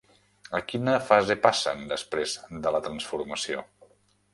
A quina fase passen després de la transformació?